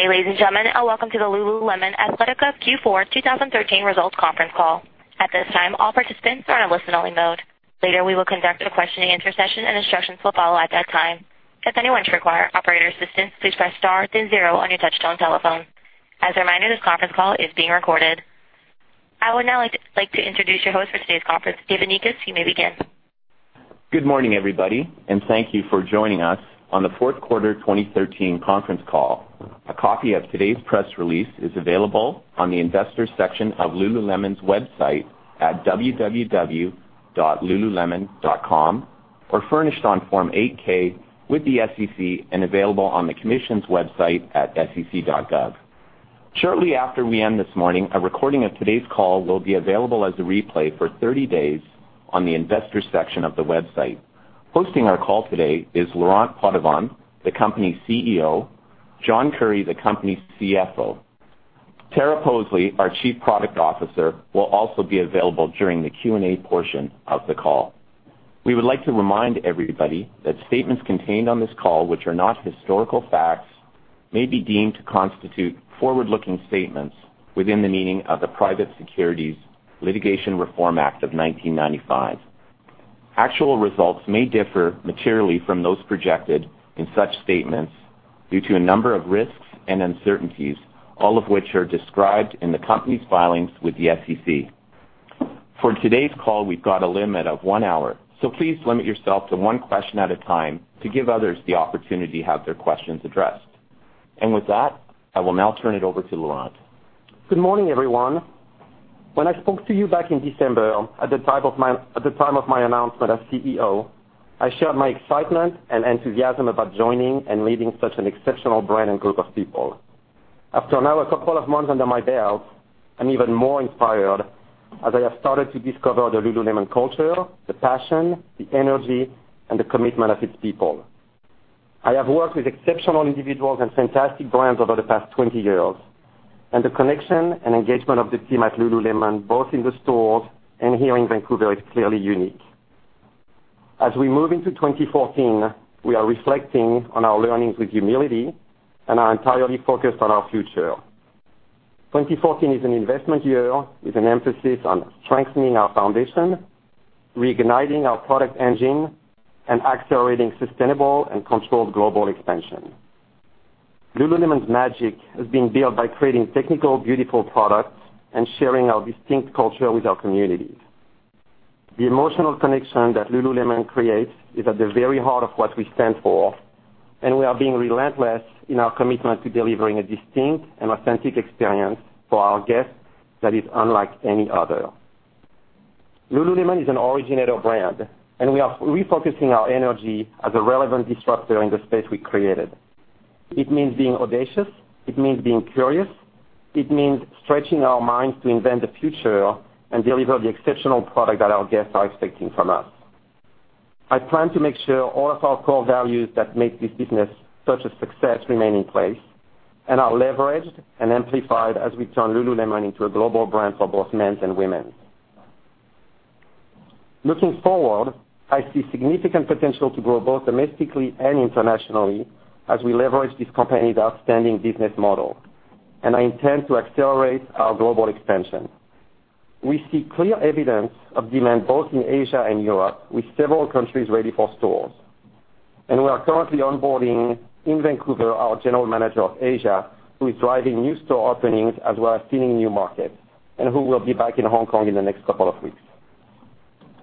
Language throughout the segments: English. Good day, ladies and gentlemen. Welcome to the Lululemon Athletica Q4 2013 results conference call. At this time, all participants are in listen only mode. Later, we will conduct a questioning and answer session. Instructions will follow at that time. If anyone requires operator assistance, please press star then zero on your touchtone telephone. As a reminder, this conference call is being recorded. I would now like to introduce your host for today's conference, David Nicks. You may begin. Good morning, everybody. Thank you for joining us on the fourth quarter 2013 conference call. A copy of today's press release is available on the investors section of Lululemon's website at www.lululemon.com or furnished on Form 8-K with the SEC and available on the commission's website at sec.gov. Shortly after we end this morning, a recording of today's call will be available as a replay for 30 days on the investors section of the website. Hosting our call today is Laurent Potdevin, the company's CEO, John Currie, the company's CFO. Tara Poseley, our Chief Product Officer, will also be available during the Q&A portion of the call. We would like to remind everybody that statements contained on this call, which are not historical facts, may be deemed to constitute forward-looking statements within the meaning of the Private Securities Litigation Reform Act of 1995. Actual results may differ materially from those projected in such statements due to a number of risks and uncertainties, all of which are described in the company's filings with the SEC. For today's call, we've got a limit of one hour. Please limit yourself to one question at a time to give others the opportunity to have their questions addressed. With that, I will now turn it over to Laurent. Good morning, everyone. When I spoke to you back in December, at the time of my announcement as CEO, I shared my excitement and enthusiasm about joining and leading such an exceptional brand and group of people. After now a couple of months under my belt, I'm even more inspired as I have started to discover the Lululemon culture, the passion, the energy, and the commitment of its people. I have worked with exceptional individuals and fantastic brands over the past 20 years. The connection and engagement of the team at Lululemon, both in the stores and here in Vancouver, is clearly unique. As we move into 2014, we are reflecting on our learnings with humility and are entirely focused on our future. 2014 is an investment year with an emphasis on strengthening our foundation, reigniting our product engine, and accelerating sustainable and controlled global expansion. Lululemon's magic has been built by creating technical, beautiful products and sharing our distinct culture with our communities. The emotional connection that Lululemon creates is at the very heart of what we stand for, and we are being relentless in our commitment to delivering a distinct and authentic experience for our guests that is unlike any other. Lululemon is an originator brand, and we are refocusing our energy as a relevant disruptor in the space we created. It means being audacious. It means being curious. It means stretching our minds to invent the future and deliver the exceptional product that our guests are expecting from us. I plan to make sure all of our core values that make this business such a success remain in place and are leveraged and amplified as we turn Lululemon into a global brand for both men's and women's. Looking forward, I see significant potential to grow both domestically and internationally as we leverage this company's outstanding business model, and I intend to accelerate our global expansion. We see clear evidence of demand both in Asia and Europe, with several countries ready for stores. We are currently onboarding in Vancouver our general manager of Asia, who is driving new store openings as well as seeding new markets and who will be back in Hong Kong in the next couple of weeks.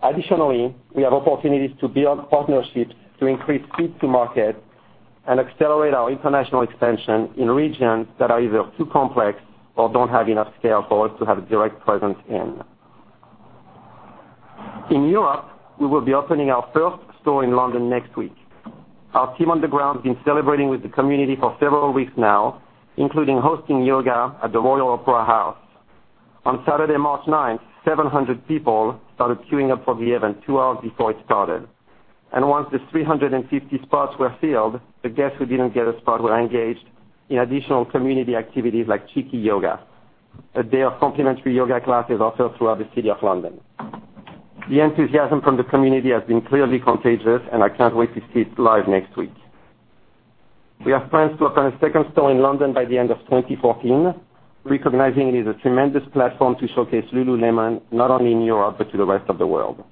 Additionally, we have opportunities to build partnerships to increase speed to market and accelerate our international expansion in regions that are either too complex or don't have enough scale for us to have a direct presence in. In Europe, we will be opening our first store in London next week. Our team on the ground has been celebrating with the community for several weeks now, including hosting yoga at the Royal Opera House. On Saturday, March ninth, 700 people started queuing up for the event two hours before it started, and once the 350 spots were filled, the guests who didn't get a spot were engaged in additional community activities like Cheeky Yoga, a day of complimentary yoga classes offered throughout the City of London. The enthusiasm from the community has been clearly contagious, and I can't wait to see it live next week. We have plans to open a second store in London by the end of 2014, recognizing it is a tremendous platform to showcase Lululemon not only in Europe but to the rest of the world.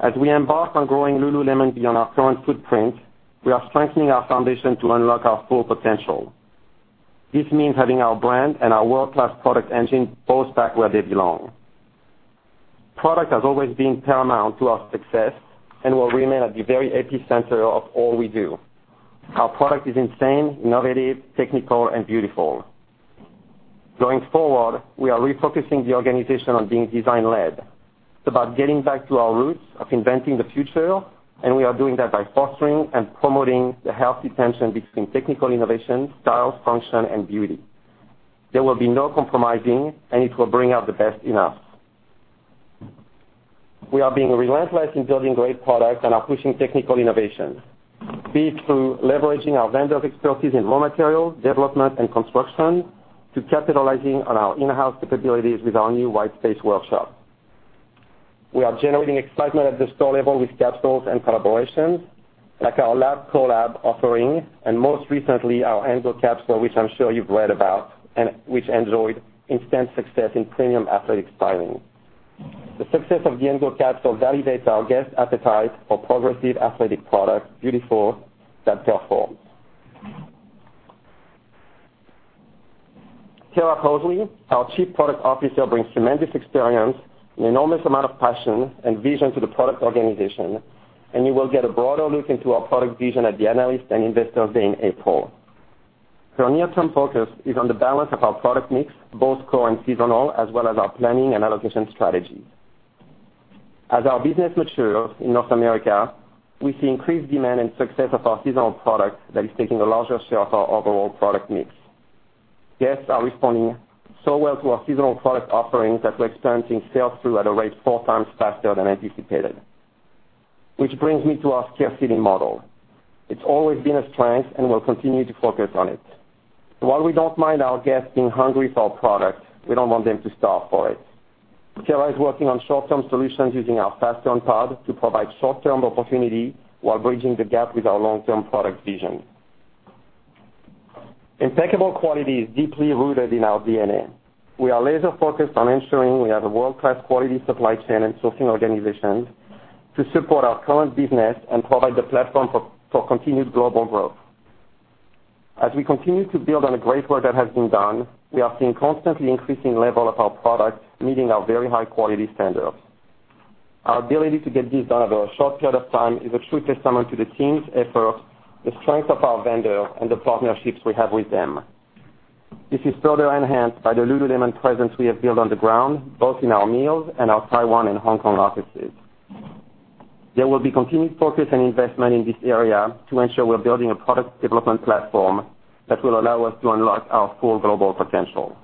As we embark on growing Lululemon beyond our current footprint, we are strengthening our foundation to unlock our full potential. This means having our brand and our world-class product engine both back where they belong. Product has always been paramount to our success and will remain at the very epicenter of all we do. Our product is insane, innovative, technical, and beautiful. Going forward, we are refocusing the organization on being design-led. It's about getting back to our roots of inventing the future, and we are doing that by fostering and promoting the healthy tension between technical innovation, style, function, and beauty. There will be no compromising, and it will bring out the best in us. We are being relentless in building great products and are pushing technical innovation, be it through leveraging our vendors' expertise in raw material development and construction to capitalizing on our in-house capabilities with our new Whitespace Workshop. We are generating excitement at the store level with capsules and collaborations like our Lab Collab offering, and most recently our Engel capsule, which I'm sure you've read about, and which enjoyed instant success in premium athletic styling. The success of the Engel capsule validates our guest appetite for progressive athletic product, beautiful that performs. Tara Poseley, our Chief Product Officer, brings tremendous experience, an enormous amount of passion and vision to the product organization. You will get a broader look into our product vision at the Analyst and Investor Day in April. Her near-term focus is on the balance of our product mix, both core and seasonal, as well as our planning and allocation strategies. As our business matures in North America, we see increased demand and success of our seasonal product that is taking a larger share of our overall product mix. Guests are responding so well to our seasonal product offerings that we're experiencing sales flow at a rate four times faster than anticipated. This brings me to our scarcity model. It's always been a strength, and we'll continue to focus on it. While we don't mind our guests being hungry for our product, we don't want them to starve for it. Tara is working on short-term solutions using our fast turn pod to provide short-term opportunity while bridging the gap with our long-term product vision. Impeccable quality is deeply rooted in our DNA. We are laser-focused on ensuring we have a world-class quality supply chain and sourcing organizations to support our current business and provide the platform for continued global growth. As we continue to build on the great work that has been done, we are seeing constantly increasing level of our product, meeting our very high quality standards. Our ability to get this done over a short period of time is a true testament to the team's efforts, the strength of our vendors, and the partnerships we have with them. This is further enhanced by the Lululemon presence we have built on the ground, both in our mills and our Taiwan and Hong Kong offices. There will be continued focus and investment in this area to ensure we're building a product development platform that will allow us to unlock our full global potential.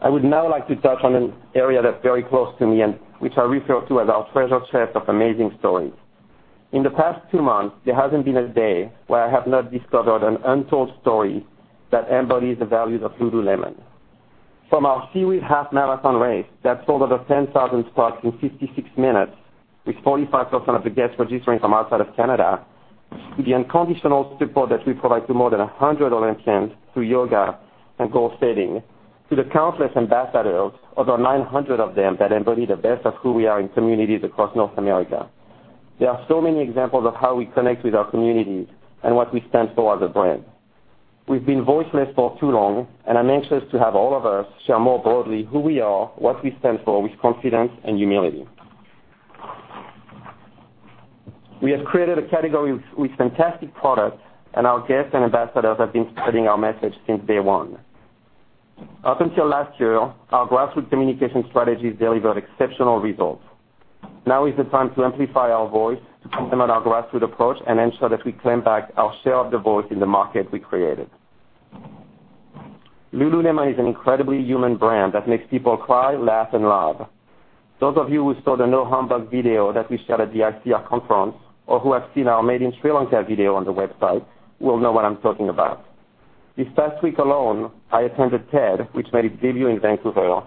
I would now like to touch on an area that's very close to me, and which I refer to as our treasure chest of amazing stories. In the past two months, there hasn't been a day where I have not discovered an untold story that embodies the values of Lululemon. From our SeaWheeze half-marathon race that sold over 10,000 spots in 56 minutes, with 45% of the guests registering from outside of Canada, to the unconditional support that we provide to more than 100 Olympians through yoga and goal setting, to the countless ambassadors, over 900 of them, that embody the best of who we are in communities across North America. There are so many examples of how we connect with our communities and what we stand for as a brand. We've been voiceless for too long. I'm anxious to have all of us share more broadly who we are, what we stand for with confidence and humility. We have created a category with fantastic products. Our guests and ambassadors have been spreading our message since day one. Up until last year, our grassroots communication strategies delivered exceptional results. Now is the time to amplify our voice, to complement our grassroots approach, and ensure that we claim back our share of the voice in the market we created. Lululemon is an incredibly human brand that makes people cry and laugh. Those of you who saw the No Humbug video that we showed at the ICR conference or who have seen our Made in Sri Lanka video on the website will know what I'm talking about. This past week alone, I attended TED, which made its debut in Vancouver.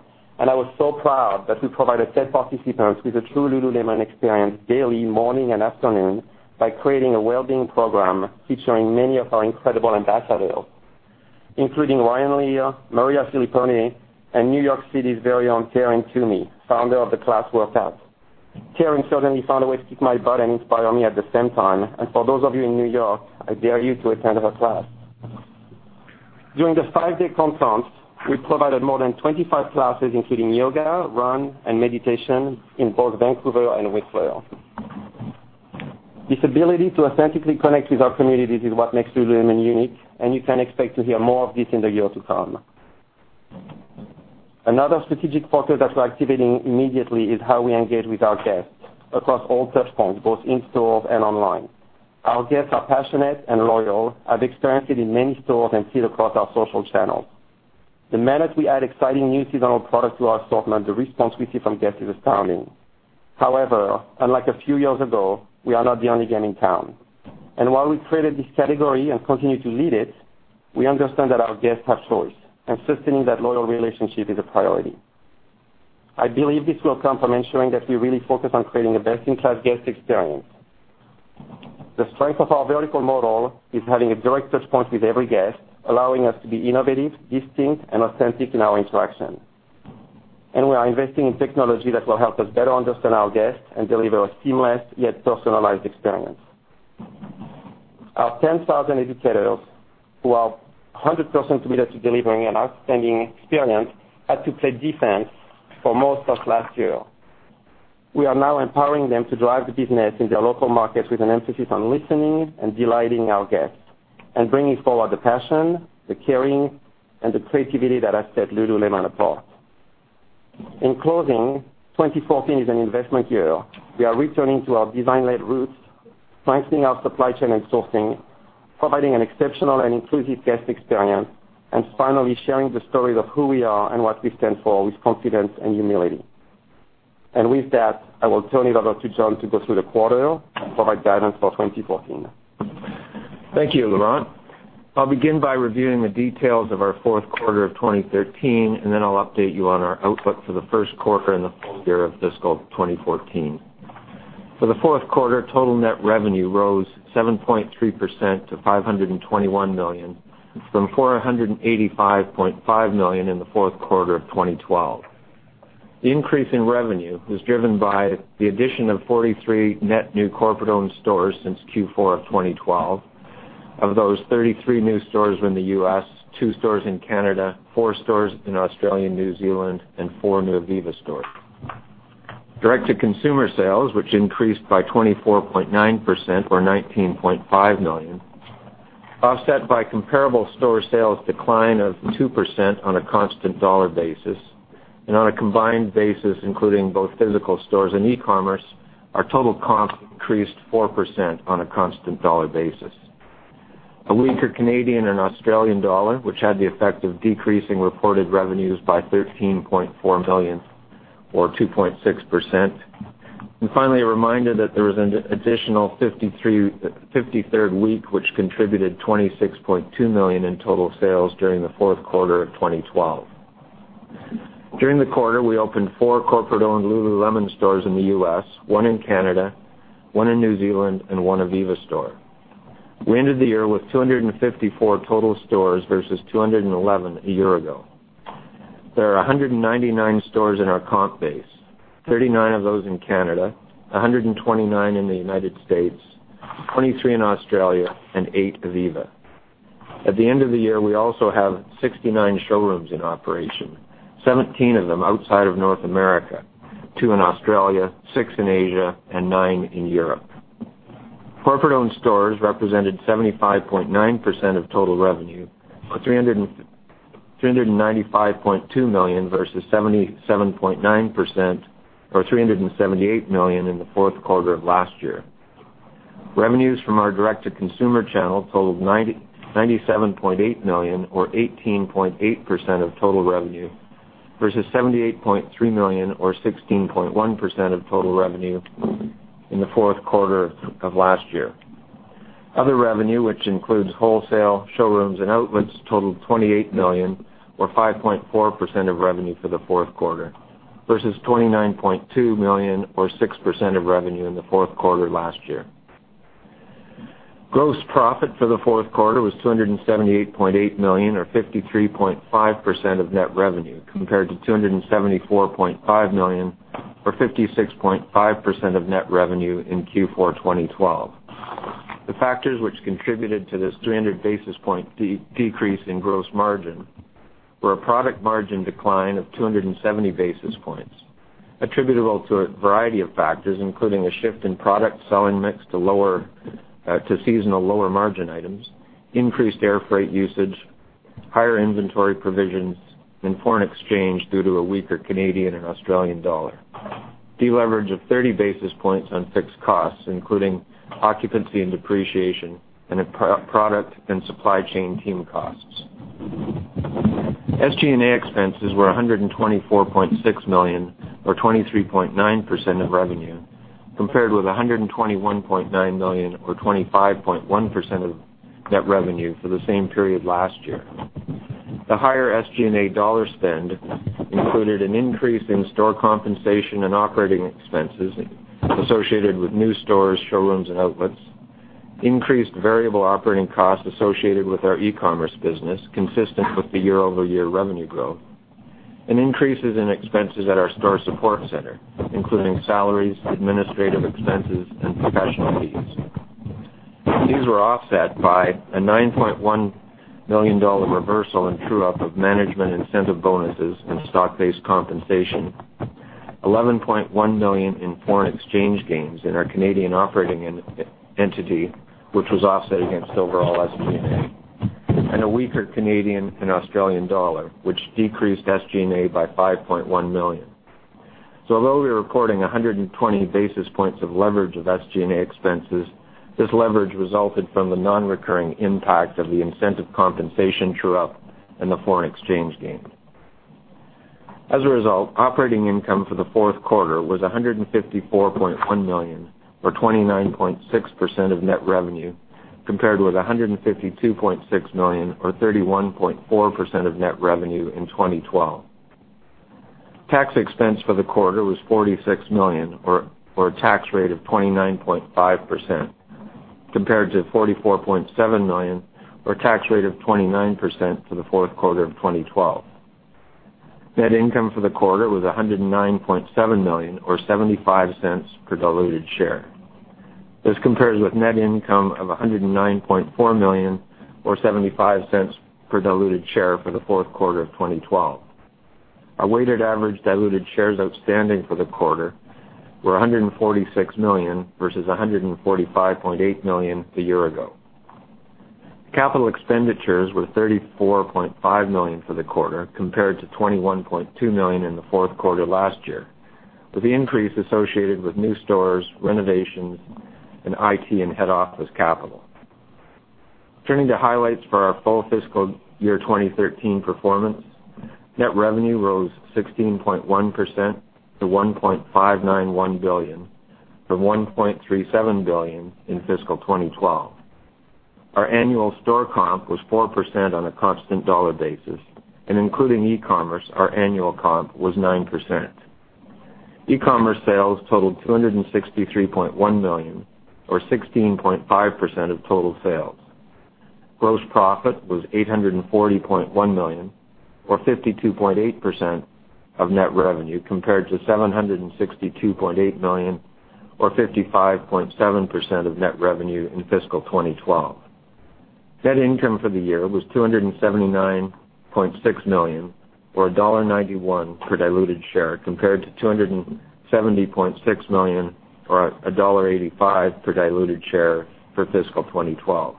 I was so proud that we provided TED participants with a true Lululemon experience daily, morning and afternoon by creating a well-being program featuring many of our incredible ambassadors, including Ryan Leier, Maria Filippone, and N.Y.C.'s very own Taryn Toomey, founder of The Class. Taryn certainly found a way to kick my butt and inspire me at the same time. For those of you in N.Y., I dare you to attend her class. During the five-day conference, we provided more than 25 classes, including yoga, run, and meditation in both Vancouver and Whistler. This ability to authentically connect with our communities is what makes Lululemon unique. You can expect to hear more of this in the year to come. Another strategic focus that we're activating immediately is how we engage with our guests across all touchpoints, both in stores and online. Our guests are passionate and loyal, as experienced in many stores and seen across our social channels. The minute we add exciting new seasonal products to our assortment, the response we see from guests is astounding. However, unlike a few years ago, we are not the only game in town. While we created this category and continue to lead it, we understand that our guests have choice, and sustaining that loyal relationship is a priority. I believe this will come from ensuring that we really focus on creating a best-in-class guest experience. The strength of our vertical model is having a direct touchpoint with every guest, allowing us to be innovative, distinct, and authentic in our interaction. We are investing in technology that will help us better understand our guests and deliver a seamless, yet personalized experience. Our 10,000 educators, who are 100% committed to delivering an outstanding experience, had to play defense for most of last year. We are now empowering them to drive the business in their local markets with an emphasis on listening and delighting our guests and bringing forward the passion, the caring, and the creativity that has set Lululemon apart. In closing, 2014 is an investment year. We are returning to our design-led roots, strengthening our supply chain and sourcing, providing an exceptional and inclusive guest experience, and finally sharing the stories of who we are and what we stand for with confidence and humility. With that, I will turn it over to John to go through the quarter and provide guidance for 2014. Thank you, Laurent. I'll begin by reviewing the details of our fourth quarter of 2013, then I'll update you on our outlook for the first quarter and the full year of fiscal 2014. For the fourth quarter, total net revenue rose 7.3% to $521 million from $485.5 million in the fourth quarter of 2012. The increase in revenue was driven by the addition of 43 net new corporate-owned stores since Q4 of 2012. Of those, 33 new stores were in the U.S., two stores in Canada, four stores in Australia and New Zealand, and four new Ivivva stores. Direct-to-consumer sales, which increased by 24.9%, or $19.5 million, offset by comparable store sales decline of 2% on a constant dollar basis. On a combined basis, including both physical stores and e-commerce, our total comp increased 4% on a constant dollar basis. A weaker Canadian and Australian dollar, which had the effect of decreasing reported revenues by $13.4 million, or 2.6%. Finally, a reminder that there was an additional 53rd week, which contributed $26.2 million in total sales during the fourth quarter of 2012. During the quarter, we opened four corporate-owned Lululemon stores in the U.S., one in Canada, one in New Zealand, and one Ivivva store. We ended the year with 254 total stores versus 211 a year ago. There are 199 stores in our comp base, 39 of those in Canada, 129 in the United States, 23 in Australia, and eight Ivivva. At the end of the year, we also have 69 showrooms in operation, 17 of them outside of North America, two in Australia, six in Asia, and nine in Europe. Corporate-owned stores represented 75.9% of total revenue, or $395.2 million versus 77.9%, or $378 million in the fourth quarter of last year. Revenues from our direct-to-consumer channel totaled $97.8 million, or 18.8% of total revenue versus $78.3 million or 16.1% of total revenue in the fourth quarter of last year. Other revenue, which includes wholesale, showrooms, and outlets, totaled $28 million or 5.4% of revenue for the fourth quarter versus $29.2 million or 6% of revenue in the fourth quarter last year. Gross profit for the fourth quarter was $278.8 million or 53.5% of net revenue, compared to $274.5 million or 56.5% of net revenue in Q4 2012. The factors which contributed to this 300 basis point decrease in gross margin were a product margin decline of 270 basis points, attributable to a variety of factors, including a shift in product selling mix to seasonal lower margin items, increased air freight usage, higher inventory provisions and foreign exchange due to a weaker Canadian and Australian dollar. Deleveraging of 30 basis points on fixed costs, including occupancy and depreciation, and product and supply chain team costs. SG&A expenses were $124.6 million, or 23.9% of revenue, compared with $121.9 million or 25.1% of net revenue for the same period last year. The higher SG&A dollar spend included an increase in store compensation and operating expenses associated with new stores, showrooms and outlets, increased variable operating costs associated with our e-commerce business consistent with the year-over-year revenue growth, and increases in expenses at our store support center, including salaries, administrative expenses and professional fees. These were offset by a $9.1 million reversal and true-up of management incentive bonuses and stock-based compensation, $11.1 million in foreign exchange gains in our Canadian operating entity, which was offset against overall SG&A, and a weaker Canadian and Australian dollar, which decreased SG&A by $5.1 million. Although we are reporting 120 basis points of leverage of SG&A expenses, this leverage resulted from the non-recurring impact of the incentive compensation true-up and the foreign exchange gain. As a result, operating income for the fourth quarter was $154.1 million, or 29.6% of net revenue, compared with $152.6 million, or 31.4% of net revenue in 2012. Tax expense for the quarter was $46 million, or a tax rate of 29.5%, compared to $44.7 million or a tax rate of 29% for the fourth quarter of 2012. Net income for the quarter was $109.7 million, or $0.75 per diluted share. This compares with net income of $109.4 million, or $0.75 per diluted share for the fourth quarter of 2012. Our weighted average diluted shares outstanding for the quarter were 146 million, versus 145.8 million a year ago. Capital expenditures were $34.5 million for the quarter, compared to $21.2 million in the fourth quarter last year, with the increase associated with new stores, renovations, and IT and head office capital. Turning to highlights for our full fiscal year 2013 performance. Net revenue rose 16.1% to $1.591 billion, from $1.37 billion in fiscal 2012. Our annual store comp was 4% on a constant dollar basis, and including e-commerce, our annual comp was 9%. E-commerce sales totaled $263.1 million, or 16.5% of total sales. Gross profit was $840.1 million, or 52.8% of net revenue, compared to $762.8 million, or 55.7% of net revenue in fiscal 2012. Net income for the year was $279.6 million, or $1.91 per diluted share, compared to $270.6 million, or $1.85 per diluted share for fiscal 2012.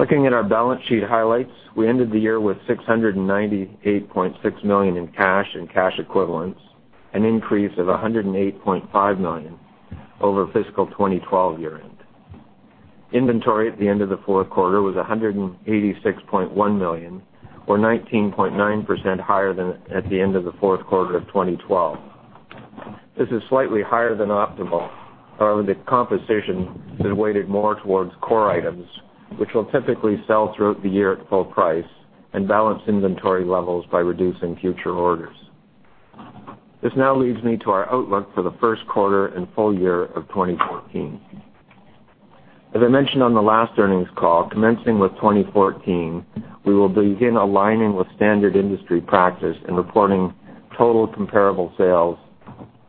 Looking at our balance sheet highlights, we ended the year with $698.6 million in cash and cash equivalents, an increase of $108.5 million over fiscal 2012 year-end. Inventory at the end of the fourth quarter was $186.1 million, or 19.9% higher than at the end of the fourth quarter of 2012. This is slightly higher than optimal, however, the composition is weighted more towards core items, which will typically sell throughout the year at full price and balance inventory levels by reducing future orders. This now leads me to our outlook for the first quarter and full year of 2014. As I mentioned on the last earnings call, commencing with 2014, we will begin aligning with standard industry practice in reporting total comparable sales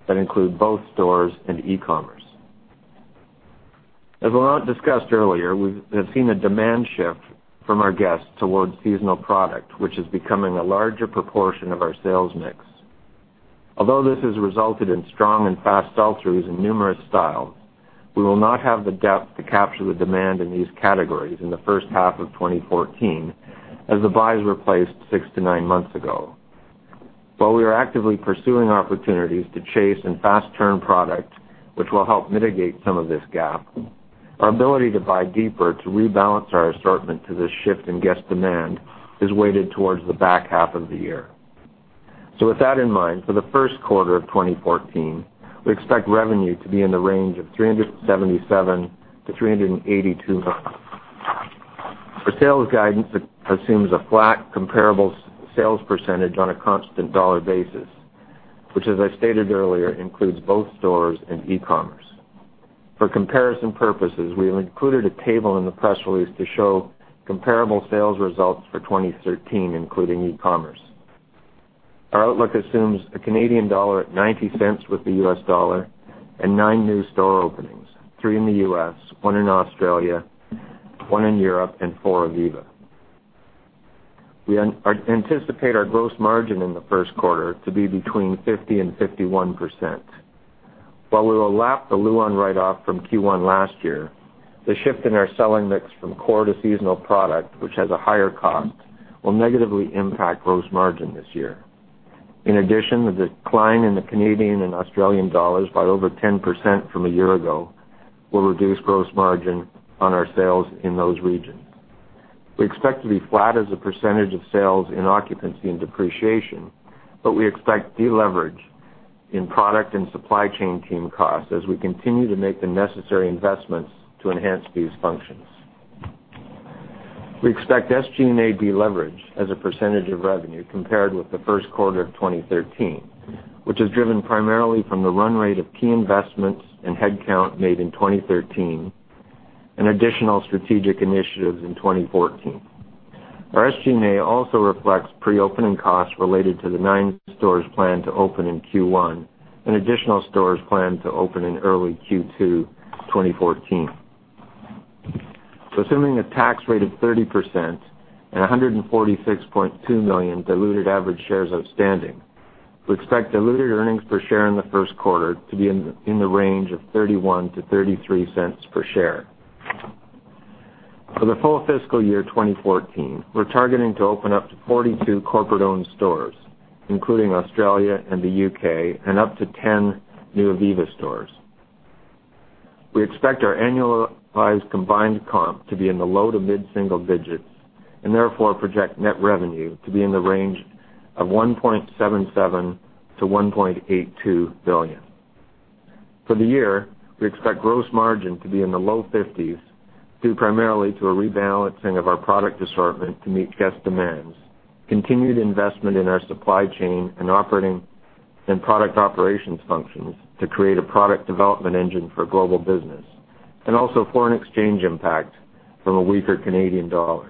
that include both stores and e-commerce. As Laurent discussed earlier, we have seen a demand shift from our guests towards seasonal product, which is becoming a larger proportion of our sales mix. Although this has resulted in strong and fast sell-throughs in numerous styles, we will not have the depth to capture the demand in these categories in the first half of 2014 as the buys were placed six to nine months ago. While we are actively pursuing opportunities to chase and fast turn product, which will help mitigate some of this gap, our ability to buy deeper to rebalance our assortment to this shift in guest demand is weighted towards the back half of the year. With that in mind, for the first quarter of 2014, we expect revenue to be in the range of $377 million-$382 million. Our sales guidance assumes a flat comparable sales % on a constant dollar basis, which, as I stated earlier, includes both stores and e-commerce. For comparison purposes, we have included a table in the press release to show comparable sales results for 2013, including e-commerce. Our outlook assumes a Canadian dollar at $0.90 with the US dollar and nine new store openings, three in the U.S., one in Australia, one in Europe, and four Ivivva. We anticipate our gross margin in the first quarter to be between 50% and 51%. While we will lap the Luon write-off from Q1 last year, the shift in our selling mix from core to seasonal product, which has a higher cost, will negatively impact gross margin this year. In addition, the decline in the Canadian and Australian dollars by over 10% from a year ago will reduce gross margin on our sales in those regions. We expect to be flat as a % of sales in occupancy and depreciation, but we expect deleverage in product and supply chain team costs as we continue to make the necessary investments to enhance these functions. We expect SG&A deleverage as a % of revenue compared with the first quarter of 2013, which is driven primarily from the run rate of key investments and headcount made in 2013, and additional strategic initiatives in 2014. Our SG&A also reflects pre-opening costs related to the nine stores planned to open in Q1 and additional stores planned to open in early Q2 2014. Assuming a tax rate of 30% and 146.2 million diluted average shares outstanding, we expect diluted earnings per share in the first quarter to be in the range of $0.31-$0.33 per share. For the full fiscal year 2014, we're targeting to open up to 42 corporate-owned stores, including Australia and the U.K., and up to 10 new Ivivva stores. We expect our annualized combined comp to be in the low to mid-single digits and therefore project net revenue to be in the range of $1.77 billion-$1.82 billion. For the year, we expect gross margin to be in the low 50s due primarily to a rebalancing of our product assortment to meet guest demands, continued investment in our supply chain and product operations functions to create a product development engine for global business, and also foreign exchange impact from a weaker Canadian dollar.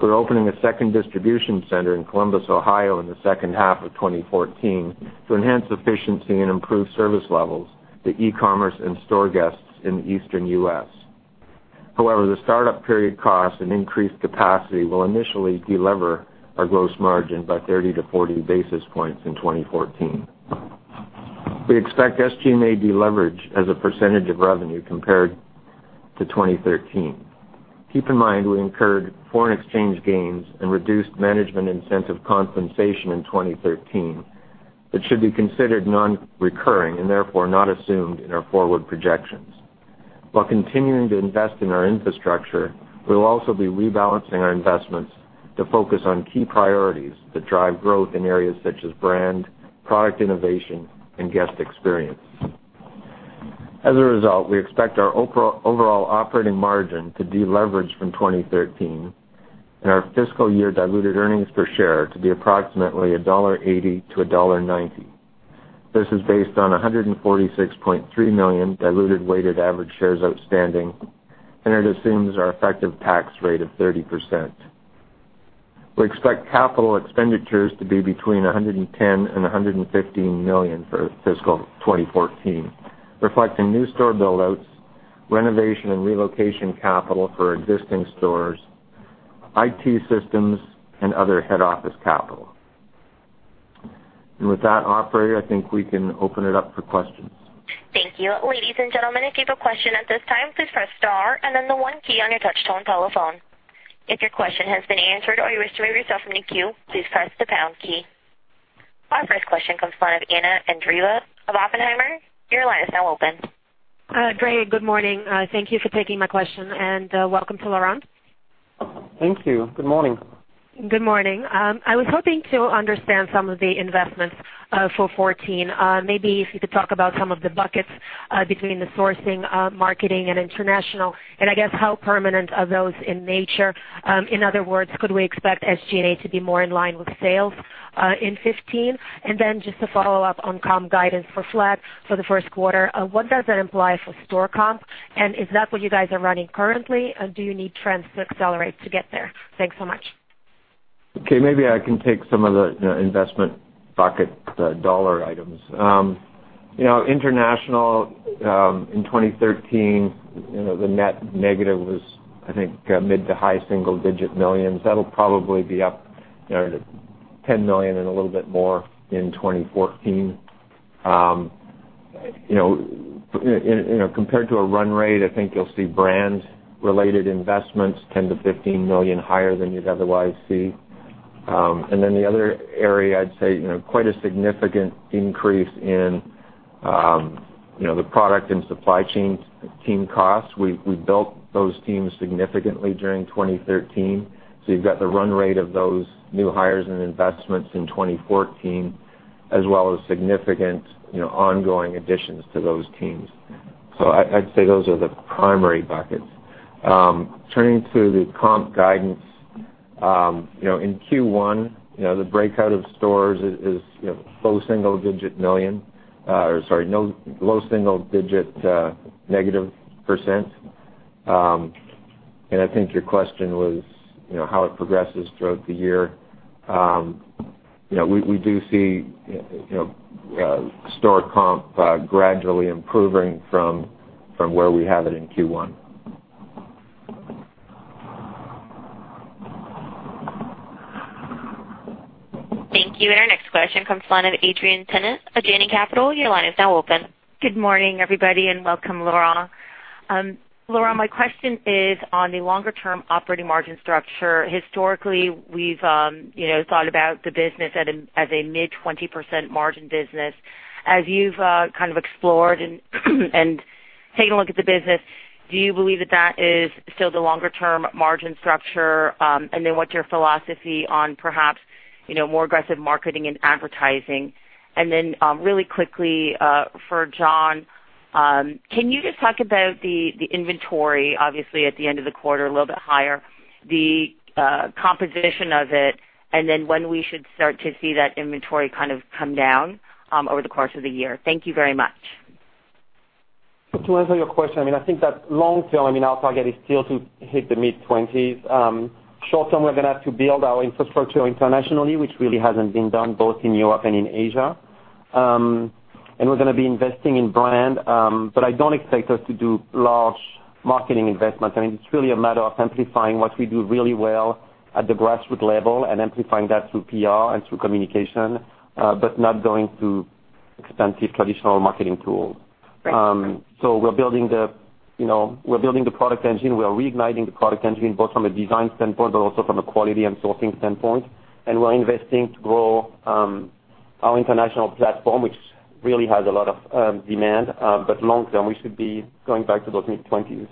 We're opening a second distribution center in Columbus, Ohio, in the second half of 2014 to enhance efficiency and improve service levels to e-commerce and store guests in the eastern U.S. However, the start-up period cost and increased capacity will initially delever our gross margin by 30-40 basis points in 2014. We expect SG&A deleverage as a % of revenue compared to 2013. Keep in mind we incurred foreign exchange gains and reduced management incentive compensation in 2013 that should be considered non-recurring and therefore not assumed in our forward projections. While continuing to invest in our infrastructure, we'll also be rebalancing our investments to focus on key priorities that drive growth in areas such as brand, product innovation, and guest experience. As a result, we expect our overall operating margin to deleverage from 2013 and our fiscal year diluted earnings per share to be approximately $1.80-$1.90. This is based on 146.3 million diluted weighted average shares outstanding, and it assumes our effective tax rate of 30%. We expect capital expenditures to be between $110 million and $115 million for fiscal 2014, reflecting new store build-outs, renovation and relocation capital for existing stores, IT systems, and other head office capital. With that, operator, I think we can open it up for questions. Thank you. Ladies and gentlemen, if you have a question at this time, please press star and then the one key on your touch-tone telephone. If your question has been answered or you wish to remove yourself from the queue, please press the pound key. Our first question comes from Anna Andreeva of Oppenheimer. Your line is now open. Great. Good morning. Thank you for taking my question. Welcome to Laurent. Thank you. Good morning. Good morning. I was hoping to understand some of the investments for 2014. Maybe if you could talk about some of the buckets between the sourcing, marketing, and international, I guess how permanent are those in nature? In other words, could we expect SG&A to be more in line with sales in 2015? Then just to follow up on comp guidance for flat for the first quarter, what does that imply for store comp? Is that what you guys are running currently? Do you need trends to accelerate to get there? Thanks so much. Okay, maybe I can take some of the investment bucket dollar items. International in 2013, the net negative was, I think, mid to high single-digit millions. That'll probably be up to 10 million and a little bit more in 2014. Compared to a run rate, I think you'll see brand related investments 10 million-15 million higher than you'd otherwise see. Then the other area, I'd say, quite a significant increase in the product and supply chain team costs. We built those teams significantly during 2013. You've got the run rate of those new hires and investments in 2014, as well as significant ongoing additions to those teams. I'd say those are the primary buckets. Turning to the comp guidance. In Q1, the breakout of stores is low single-digit million. Or sorry, low single-digit negative %. I think your question was how it progresses throughout the year. We do see store comp gradually improving from where we have it in Q1. Thank you. Our next question comes from the line of Adrienne Tennant of Janney Capital. Your line is now open. Good morning, everybody, and welcome, Laurent. Laurent, my question is on the longer term operating margin structure. Historically, we've thought about the business as a mid 20% margin business. As you've kind of explored and taken a look at the business, do you believe that that is still the longer term margin structure? What's your philosophy on perhaps more aggressive marketing and advertising? Really quickly, for John, can you just talk about the inventory, obviously at the end of the quarter, a little bit higher, the composition of it, and then when we should start to see that inventory kind of come down over the course of the year? Thank you very much. To answer your question, I think that long term, our target is still to hit the mid-20s. Short term, we're going to have to build our infrastructure internationally, which really hasn't been done both in Europe and in Asia. We're going to be investing in brand. I don't expect us to do large marketing investments. It's really a matter of amplifying what we do really well at the grassroot level and amplifying that through PR and through communication, but not going through expensive traditional marketing tools. Great. We're building the product engine. We are reigniting the product engine, both from a design standpoint, but also from a quality and sourcing standpoint. We're investing to grow our international platform, which really has a lot of demand. Long term, we should be going back to those mid-20s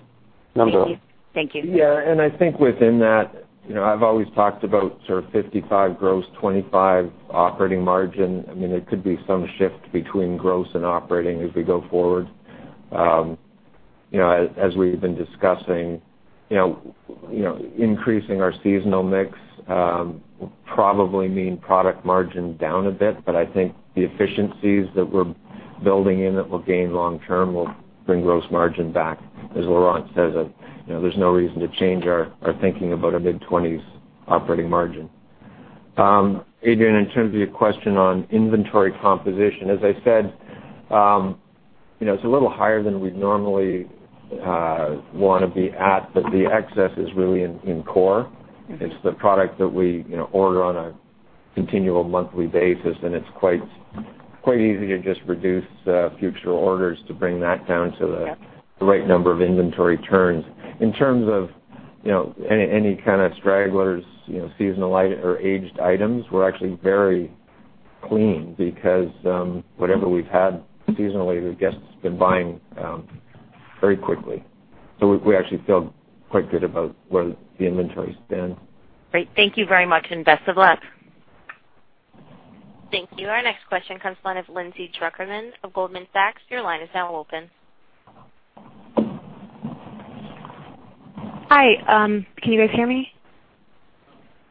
numbers. Thank you. Yeah, I think within that, I've always talked about sort of 55% gross, 25% operating margin. There could be some shift between gross and operating as we go forward. As we've been discussing, increasing our seasonal mix will probably mean product margin down a bit, but I think the efficiencies that we're building in that we'll gain long term will bring gross margin back. As Laurent says, there's no reason to change our thinking about a mid-20s operating margin. Adrienne, in terms of your question on inventory composition, as I said, it's a little higher than we'd normally want to be at, but the excess is really in core. It's the product that we order on a continual monthly basis, and it's quite easy to just reduce future orders to bring that down to the right number of inventory turns. In terms of any kind of stragglers, seasonal or aged items, we're actually very Clean because whatever we've had seasonally, the guest's been buying very quickly. We actually feel quite good about where the inventory stands. Great. Thank you very much, and best of luck. Thank you. Our next question comes to the line of Lindsay Drucker Mann of Goldman Sachs. Your line is now open. Hi. Can you guys hear me?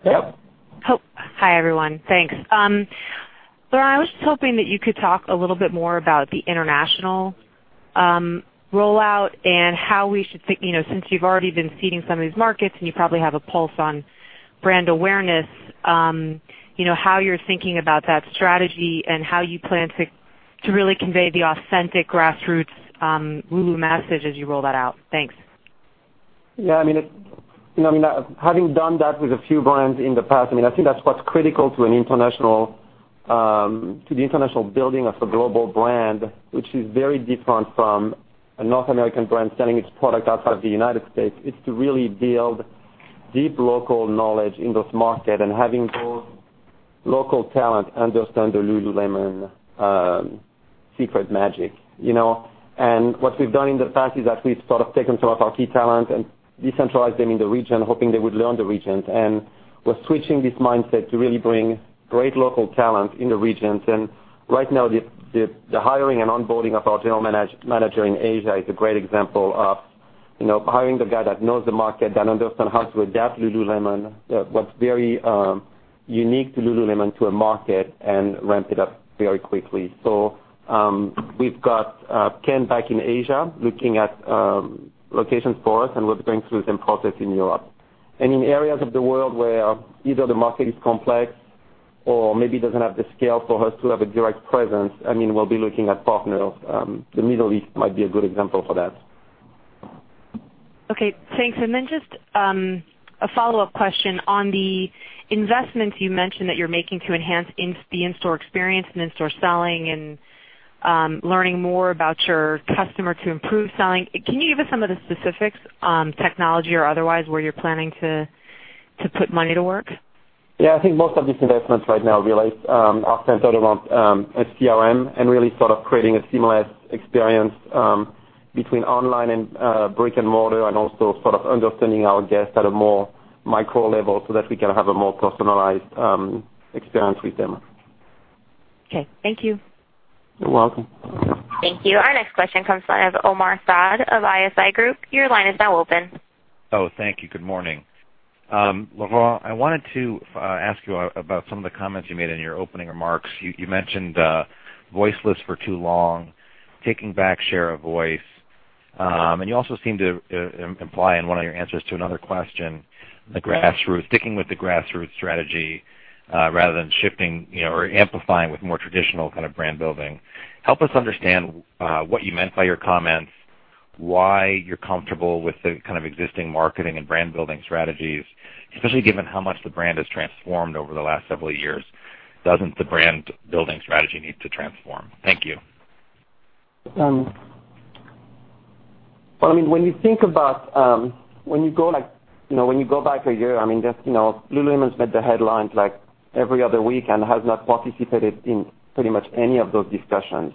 Yep. Hi, everyone. Thanks. Laurent, I was just hoping that you could talk a little bit more about the international rollout and how we should think, since you've already been seeding some of these markets, and you probably have a pulse on brand awareness, how you're thinking about that strategy and how you plan to really convey the authentic grassroots Lulu message as you roll that out. Thanks. Yeah. Having done that with a few brands in the past, I think that's what's critical to the international building of a global brand, which is very different from a North American brand selling its product outside of the United States, is to really build deep local knowledge in those markets and having those local talent understand the Lululemon secret magic. What we've done in the past is actually sort of taken some of our key talent and decentralized them in the region, hoping they would learn the regions. We're switching this mindset to really bring great local talent in the regions. Right now, the hiring and onboarding of our general manager in Asia is a great example of hiring the guy that knows the market, that understands how to adapt Lululemon, what's very unique to Lululemon to a market, and ramp it up very quickly. We've got Ken back in Asia looking at locations for us, and we're going through the same process in Europe. In areas of the world where either the market is complex or maybe doesn't have the scale for us to have a direct presence, we'll be looking at partners. The Middle East might be a good example for that. Okay, thanks. Just a follow-up question on the investments you mentioned that you're making to enhance the in-store experience and in-store selling and learning more about your customer to improve selling. Can you give us some of the specifics, technology or otherwise, where you're planning to put money to work? Yeah. I think most of these investments right now are centered around CRM and really sort of creating a seamless experience between online and brick-and-mortar and also sort of understanding our guests at a more micro level so that we can have a more personalized experience with them. Okay. Thank you. You're welcome. Thank you. Our next question comes from Omar Saad of ISI Group. Your line is now open. Oh, thank you. Good morning. Laurent, I wanted to ask you about some of the comments you made in your opening remarks. You mentioned voiceless for too long, taking back share of voice, and you also seemed to imply in one of your answers to another question, sticking with the grassroots strategy, rather than shifting or amplifying with more traditional kind of brand building. Help us understand what you meant by your comments, why you're comfortable with the kind of existing marketing and brand-building strategies, especially given how much the brand has transformed over the last several years. Doesn't the brand building strategy need to transform? Thank you. Well, when you go back a year, Lululemon's made the headlines every other week and has not participated in pretty much any of those discussions.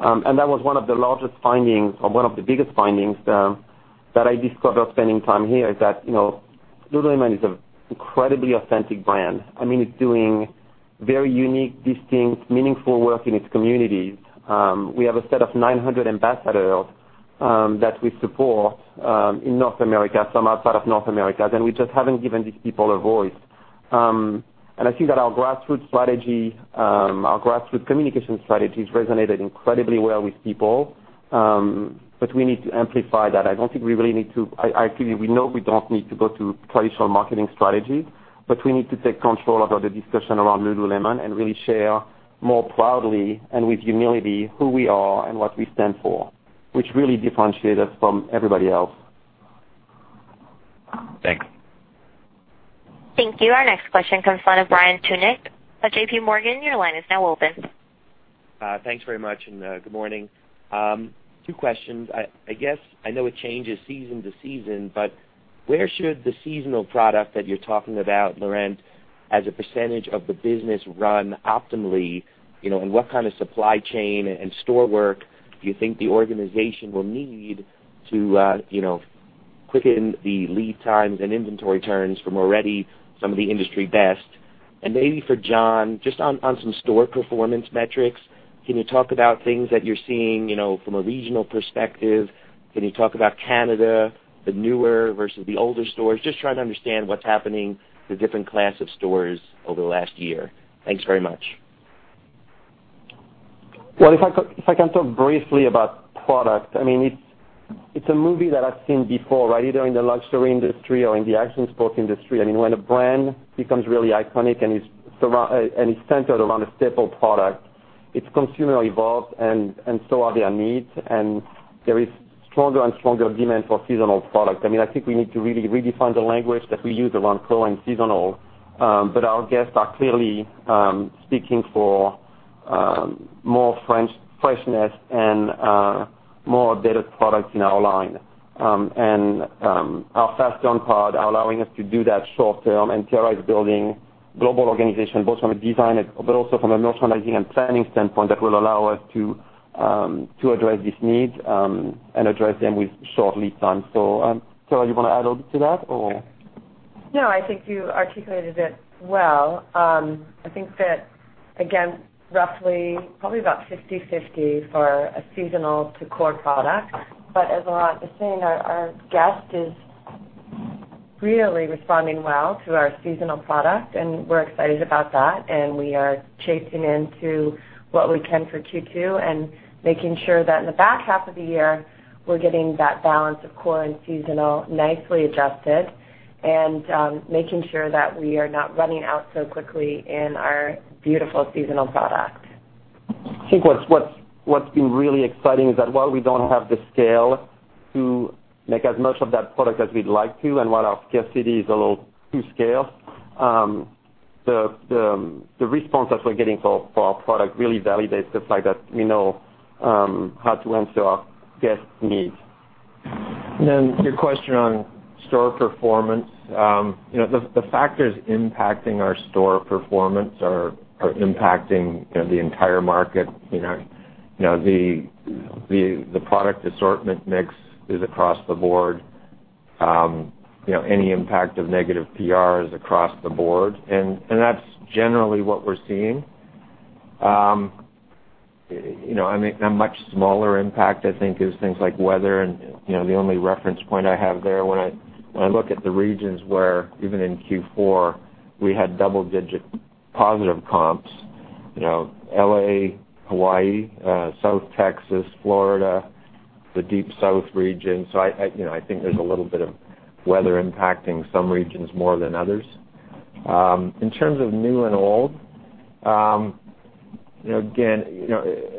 That was one of the largest findings or one of the biggest findings that I discovered spending time here is that Lululemon is an incredibly authentic brand. It's doing very unique, distinct, meaningful work in its communities. We have a set of 900 ambassadors that we support in North America, some outside of North America, we just haven't given these people a voice. I think that our grassroots strategy, our grassroots communication strategies resonated incredibly well with people. We need to amplify that. Actually, we know we don't need to go to traditional marketing strategies, we need to take control of the discussion around Lululemon and really share more proudly and with humility who we are and what we stand for, which really differentiate us from everybody else. Thanks. Thank you. Our next question comes from the line of Brian Tunick of JPMorgan. Your line is now open. Thanks very much, good morning. Two questions. I know it changes season to season, where should the seasonal product that you're talking about, Laurent, as a percentage of the business run optimally, what kind of supply chain and store work do you think the organization will need to quicken the lead times and inventory turns from already some of the industry best? Maybe for John, just on some store performance metrics, can you talk about things that you're seeing from a regional perspective? Can you talk about Canada, the newer versus the older stores? Just trying to understand what's happening with different classes of stores over the last year. Thanks very much. Well, if I can talk briefly about product. It's a movie that I've seen before, either in the luxury industry or in the action sports industry. When a brand becomes really iconic, and it's centered around a staple product, its consumer evolved and so are their needs, and there is stronger and stronger demand for seasonal product. I think we need to really redefine the language that we use around core and seasonal. Our guests are clearly speaking for more freshness and more updated products in our line. Our fast turn pod are allowing us to do that short term, and Tara is building global organization both from a design, but also from a merchandising and planning standpoint that will allow us to address these needs, and address them with short lead time. Tara, you want to add on to that or? No, I think you articulated it well. I think that, again, roughly probably about 50/50 for a seasonal to core product. As Laurent is saying, our guest is really responding well to our seasonal product, and we're excited about that, and we are chasing into what we can for Q2 and making sure that in the back half of the year, we're getting that balance of core and seasonal nicely adjusted and making sure that we are not running out so quickly in our beautiful seasonal products. I think what's been really exciting is that while we don't have the scale to make as much of that product as we'd like to, and while our scarcity is a little too scarce, the response that we're getting for our product really validates the fact that we know how to answer our guests' needs. Your question on store performance. The factors impacting our store performance are impacting the entire market. The product assortment mix is across the board. Any impact of negative PR is across the board, and that's generally what we're seeing. A much smaller impact, I think, is things like weather and the only reference point I have there when I look at the regions where even in Q4, we had double-digit positive comps, L.A., Hawaii, South Texas, Florida, the Deep South region. I think there's a little bit of weather impacting some regions more than others. In terms of new and old, again,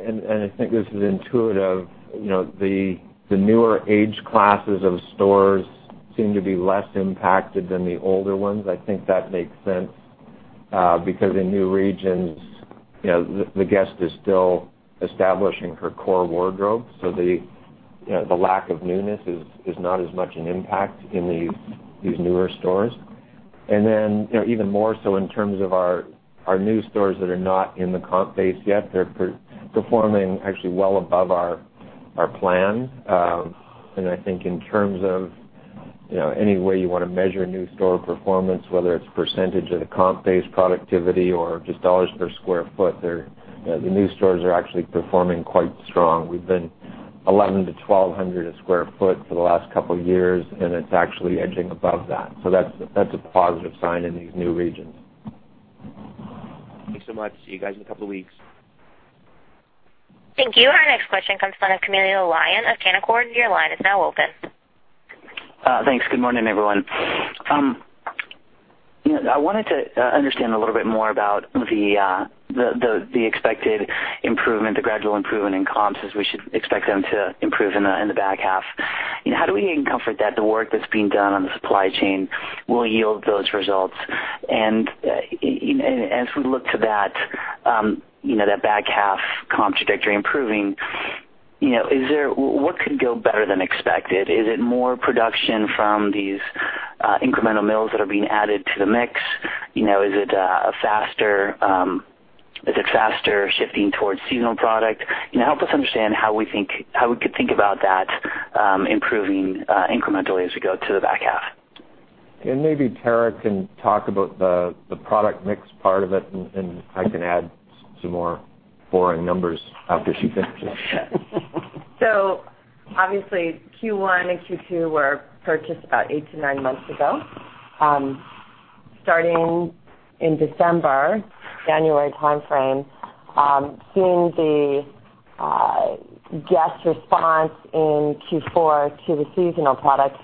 and I think this is intuitive, the newer age classes of stores seem to be less impacted than the older ones. I think that makes sense because in new regions the guest is still establishing her core wardrobe. The lack of newness is not as much an impact in these newer stores. Even more so in terms of our new stores that are not in the comp base yet, they're performing actually well above our plan. I think in terms of any way you want to measure new store performance, whether it's percentage of the comp base productivity or just dollars per square foot, the new stores are actually performing quite strong. We've been $1,100-$1,200 a square foot for the last couple of years, and it's actually edging above that. That's a positive sign in these new regions. Thanks so much. See you guys in a couple of weeks. Thank you. Our next question comes from the line of Camilo Lyon of Canaccord. Your line is now open. Thanks. Good morning, everyone. I wanted to understand a little bit more about the expected improvement, the gradual improvement in comps as we should expect them to improve in the back half. How do we gain comfort that the work that's being done on the supply chain will yield those results? As we look to that back half comp trajectory improving, what could go better than expected? Is it more production from these incremental mills that are being added to the mix? Is it a faster shifting towards seasonal product? Help us understand how we could think about that improving incrementally as we go to the back half. Maybe Tara can talk about the product mix part of it, and I can add some more boring numbers after she finishes. Obviously Q1 and Q2 were purchased about eight to nine months ago. Starting in December, January timeframe, seeing the guest response in Q4 to the seasonal products,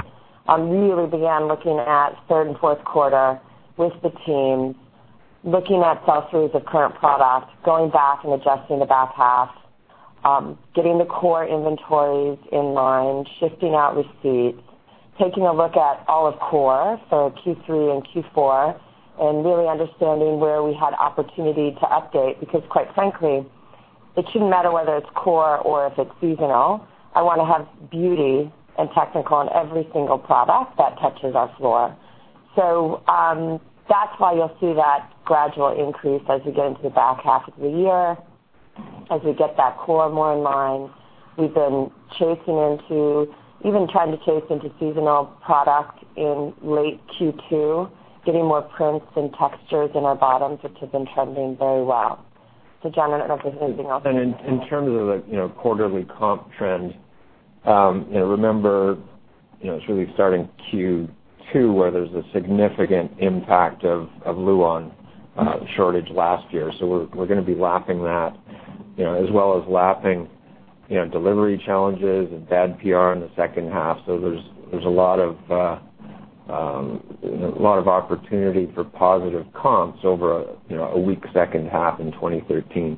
really began looking at third and fourth quarter with the team, looking at sell-throughs of current product, going back and adjusting the back half, getting the core inventories in line, shifting out receipts, taking a look at all of core for Q3 and Q4, and really understanding where we had opportunity to update, because quite frankly, it shouldn't matter whether it's core or if it's seasonal. I want to have beauty and technical in every single product that touches our floor. That's why you'll see that gradual increase as we go into the back half of the year. As we get that core more in line, we've been chasing into seasonal product in late Q2, getting more prints and textures in our bottoms, which has been trending very well. John, I don't know if there's anything else you want to add. In terms of the quarterly comp trend, remember, it's really starting Q2 where there's a significant impact of Luon shortage last year. We're going to be lapping that, as well as lapping delivery challenges and bad PR in the second half. There's a lot of opportunity for positive comps over a weak second half in 2013.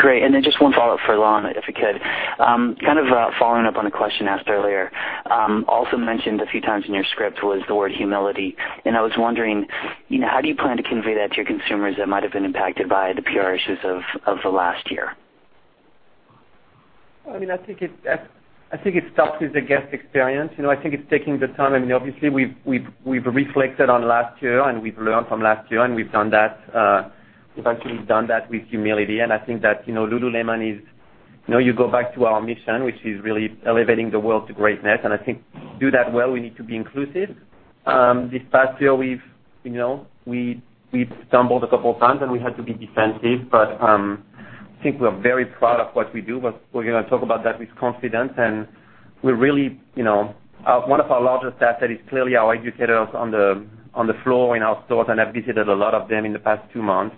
Great. Then just one follow-up for Laurent, if we could. Kind of following up on a question asked earlier. Also mentioned a few times in your script was the word "humility." I was wondering, how do you plan to convey that to your consumers that might have been impacted by the PR issues of the last year? I think it starts with the guest experience. I think it's taking the time. Obviously, we've reflected on last year, we've learned from last year, we've actually done that with humility. I think that Lululemon. You go back to our mission, which is really elevating the world to greatness, I think to do that well, we need to be inclusive. This past year, we've stumbled a couple of times, we had to be defensive, I think we're very proud of what we do. We're going to talk about that with confidence, one of our largest assets is clearly our educators on the floor in our stores. I've visited a lot of them in the past two months.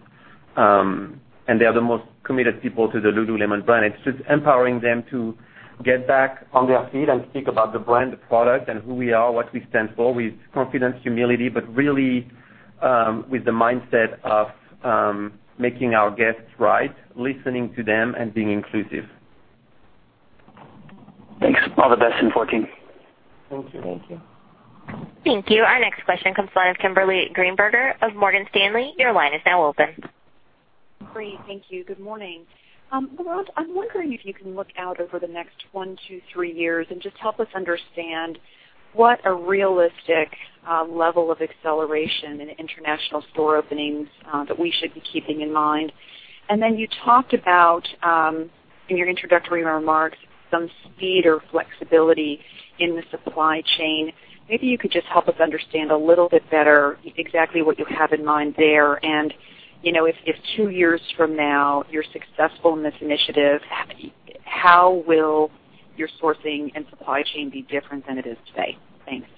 They are the most committed people to the Lululemon brand. It's just empowering them to get back on their feet and speak about the brand, the product, who we are, what we stand for with confidence, humility, really with the mindset of making our guests right, listening to them, being inclusive. Thanks. All the best in 2014. Thank you. Thank you. Thank you. Our next question comes from Kimberly Greenberger of Morgan Stanley. Your line is now open. Great. Thank you. Good morning. Laurent, I'm wondering if you can look out over the next one to three years and just help us understand what a realistic level of acceleration in international store openings that we should be keeping in mind? Then you talked about, in your introductory remarks, some speed or flexibility in the supply chain. Maybe you could just help us understand a little bit better exactly what you have in mind there? If two years from now you're successful in this initiative, how will your sourcing and supply chain be different than it is today? Thanks.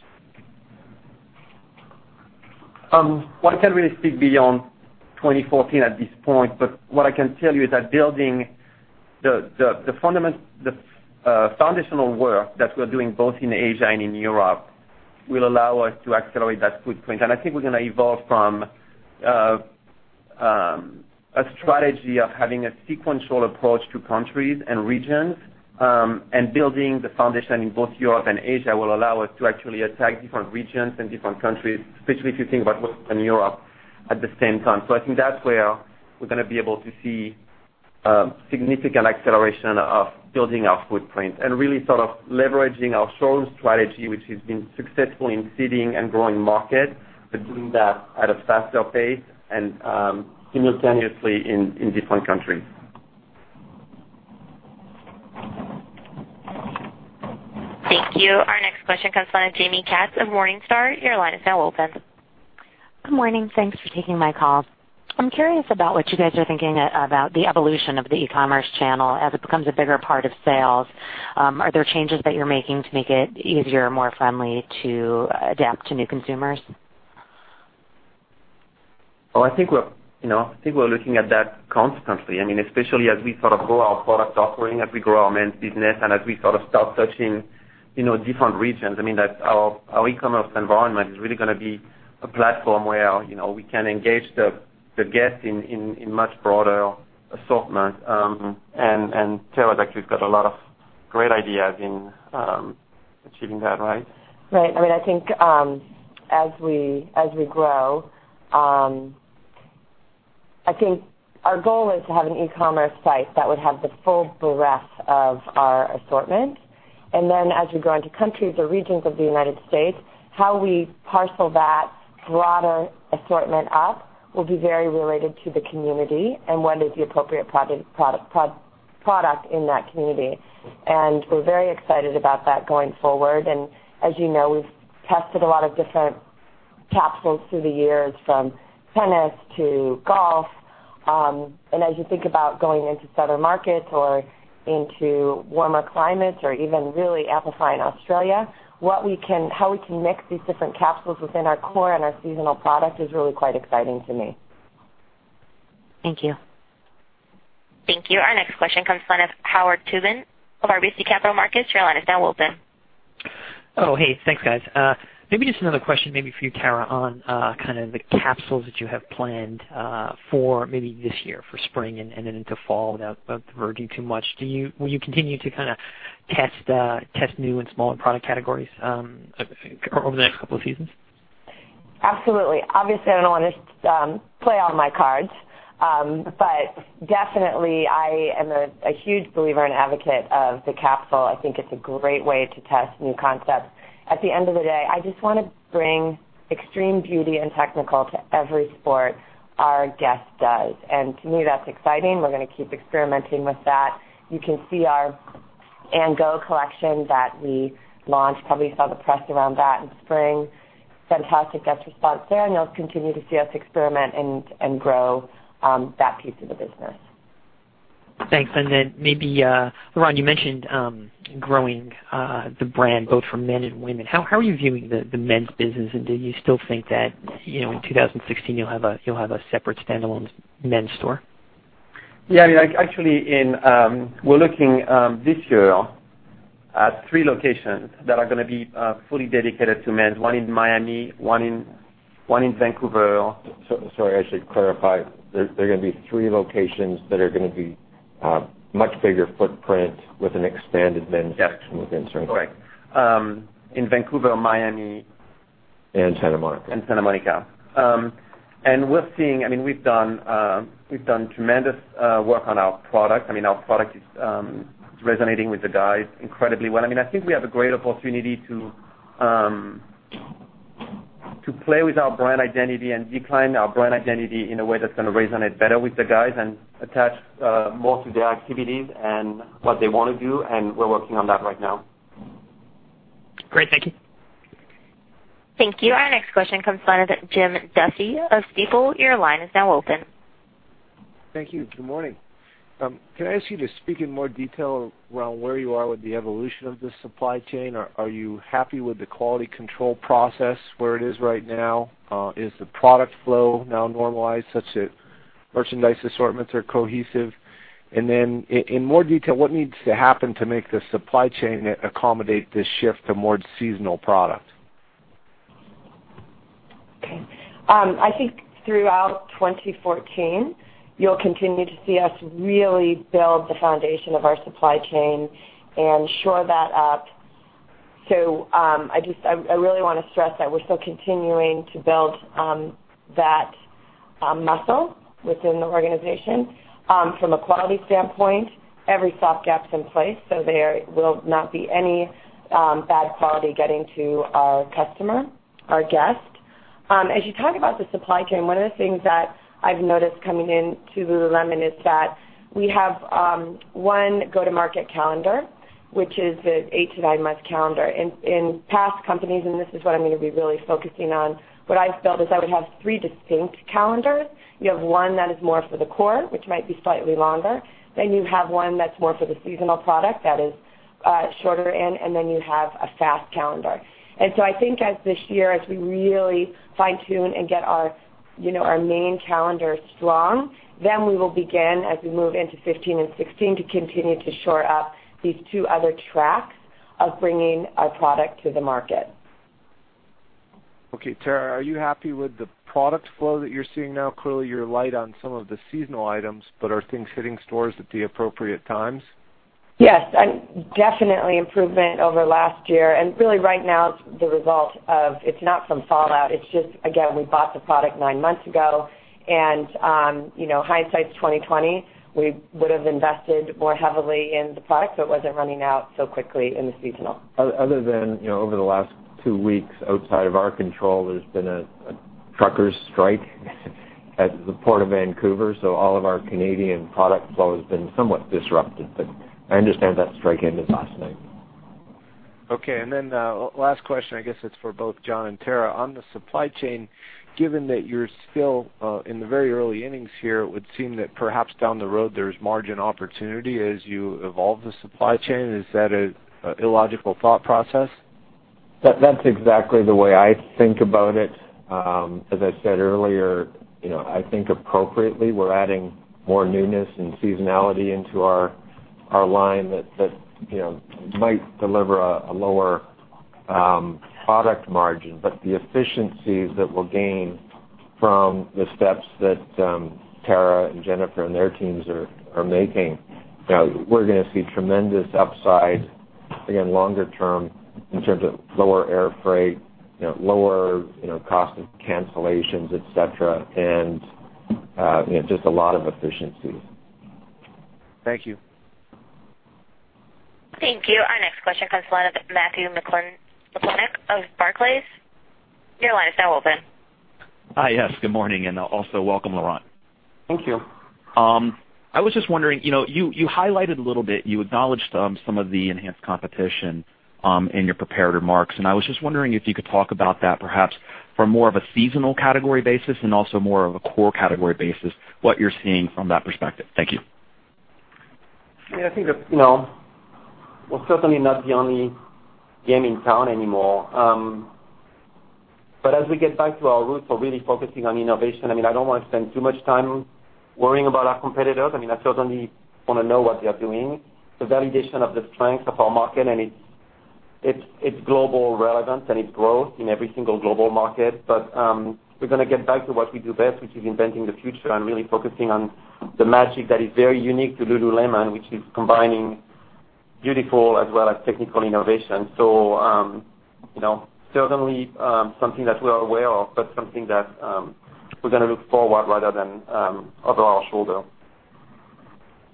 Well, I can't really speak beyond 2014 at this point, but what I can tell you is that building the foundational work that we're doing both in Asia and in Europe will allow us to accelerate that footprint. I think we're going to evolve from a strategy of having a sequential approach to countries and regions. Building the foundation in both Europe and Asia will allow us to actually attack different regions and different countries, especially if you think about both in Europe at the same time. I think that's where we're going to be able to see a significant acceleration of building our footprint and really sort of leveraging our showroom strategy, which has been successful in seeding and growing market, but doing that at a faster pace and simultaneously in different countries. Thank you. Our next question comes from Jaime Katz of Morningstar. Your line is now open. Good morning. Thanks for taking my call. I'm curious about what you guys are thinking about the evolution of the e-commerce channel as it becomes a bigger part of sales. Are there changes that you're making to make it easier, more friendly to adapt to new consumers? Well, I think we're looking at that constantly, especially as we sort of grow our product offering, as we grow our men's business, and as we sort of start touching different regions. Our e-commerce environment is really going to be a platform where we can engage the guest in much broader assortment. Tara's actually has got a lot of great ideas in achieving that, right? Right. I think as we grow, our goal is to have an e-commerce site that would have the full breadth of our assortment. Then as we go into countries or regions of the U.S., how we parcel that broader assortment up will be very related to the community and what is the appropriate product in that community. We're very excited about that going forward. As you know, we've tested a lot of different capsules through the years, from tennis to golf. As you think about going into southern markets or into warmer climates or even really amplifying Australia, how we can mix these different capsules within our core and our seasonal product is really quite exciting to me. Thank you. Thank you. Our next question comes from Howard Tubin of RBC Capital Markets. Your line is now open. Oh, hey. Thanks, guys. Maybe just another question, maybe for you, Tara, on kind of the capsules that you have planned for maybe this year, for spring and then into fall, without verging too much. Will you continue to kind of test new and smaller product categories over the next couple of seasons? Absolutely. Obviously, I don't want to play all my cards. Definitely, I am a huge believer and advocate of the capsule. I think it's a great way to test new concepts. At the end of the day, I just want to bring extreme beauty and technical to every sport our guest does. To me, that's exciting. We're going to keep experimenting with that. You can see our &go collection that we launched. Probably saw the press around that in spring. Fantastic guest response there, and you'll continue to see us experiment and grow that piece of the business. Thanks. Maybe, Laurent, you mentioned growing the brand both for men and women. How are you viewing the men's business, and do you still think that in 2016, you'll have a separate standalone men's store? Yeah. Actually, we're looking this year three locations that are going to be fully dedicated to men's. One in Miami, one in Vancouver- Sorry, I should clarify. There are going to be three locations that are going to be much bigger footprint with an expanded men's section within certain- Yes. Correct. In Vancouver, Miami. Santa Monica. Santa Monica. We've done tremendous work on our product. Our product is resonating with the guys incredibly well. I think we have a great opportunity to play with our brand identity and define our brand identity in a way that's going to resonate better with the guys and attach more to their activities and what they want to do, we're working on that right now. Great. Thank you. Thank you. Our next question comes from the line of Jim Duffy of Stifel. Your line is now open. Thank you. Good morning. Can I ask you to speak in more detail around where you are with the evolution of this supply chain? Are you happy with the quality control process where it is right now? Is the product flow now normalized, such that merchandise assortments are cohesive? In more detail, what needs to happen to make the supply chain accommodate this shift to more seasonal product? Okay. I think throughout 2014, you'll continue to see us really build the foundation of our supply chain and shore that up. I really want to stress that we're still continuing to build that muscle within the organization. From a quality standpoint, every soft gap's in place, so there will not be any bad quality getting to our customer, our guest. As you talk about the supply chain, one of the things that I've noticed coming into Lululemon is that we have one go-to-market calendar, which is an eight to nine-month calendar. In past companies, and this is what I'm going to be really focusing on, what I felt is I would have three distinct calendars. You have one that is more for the core, which might be slightly longer. You have one that's more for the seasonal product that is shorter. You have a fast calendar. I think as this year, as we really fine-tune and get our main calendar strong, we will begin, as we move into 2015 and 2016, to continue to shore up these two other tracks of bringing our product to the market. Okay. Tara, are you happy with the product flow that you're seeing now? Clearly, you're light on some of the seasonal items, are things hitting stores at the appropriate times? Yes, definitely improvement over last year. Really right now, it's the result of, it's not from fallout, it's just, again, we bought the product nine months ago, hindsight's 2020. We would have invested more heavily in the product so it wasn't running out so quickly in the seasonal. Other than over the last two weeks, outside of our control, there's been a truckers' strike at the port of Vancouver, all of our Canadian product flow has been somewhat disrupted. I understand that strike ended last night. Okay. Last question, I guess it's for both John and Tara. On the supply chain, given that you're still in the very early innings here, it would seem that perhaps down the road, there's margin opportunity as you evolve the supply chain. Is that an illogical thought process? That's exactly the way I think about it. As I said earlier, I think appropriately, we're adding more newness and seasonality into our line that might deliver a lower product margin. The efficiencies that we'll gain from the steps that Tara and Jennifer and their teams are making, we're going to see tremendous upside, again, longer term in terms of lower air freight, lower cost of cancellations, et cetera. Just a lot of efficiencies. Thank you. Thank you. Our next question comes the line of Matt McClintock of Barclays. Your line is now open. Hi. Yes, good morning, and also welcome, Laurent. Thank you. I was just wondering, you highlighted a little bit, you acknowledged some of the enhanced competition in your prepared remarks, and I was just wondering if you could talk about that perhaps from more of a seasonal category basis and also more of a core category basis, what you're seeing from that perspective. Thank you. Yeah, I think we're certainly not the only game in town anymore. As we get back to our roots of really focusing on innovation, I don't want to spend too much time worrying about our competitors. I certainly want to know what they are doing. The validation of the strength of our market and its global relevance and its growth in every single global market. We're going to get back to what we do best, which is inventing the future and really focusing on the magic that is very unique to Lululemon, which is combining beautiful as well as technical innovation. Certainly something that we are aware of, but something that we're going to look forward rather than over our shoulder.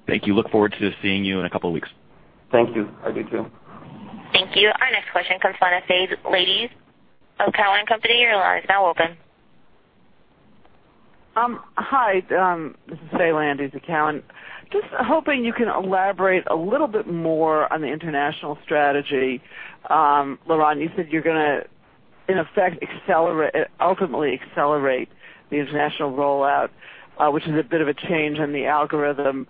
Thank you. Look forward to seeing you in a couple of weeks. Thank you. I do, too. Thank you. Our next question comes from the line of Faye Landes of Cowen and Company. Your line is now open. Hi, this is Faye Landes of Cowen. Hoping you can elaborate a little bit more on the international strategy. Laurent, you said you're going to, in effect, ultimately accelerate the international rollout, which is a bit of a change in the algorithm.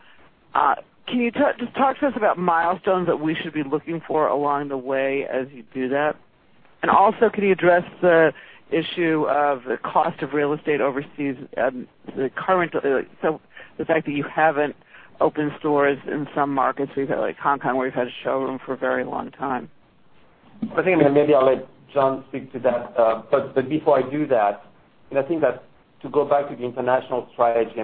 Talk to us about milestones that we should be looking for along the way as you do that. Also, can you address the issue of the cost of real estate overseas, the fact that you haven't opened stores in some markets like Hong Kong, where you've had a showroom for a very long time? I think maybe I'll let John speak to that. Before I do that, I think that to go back to the international strategy,